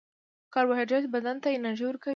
کاربوهایډریټ بدن ته انرژي ورکوي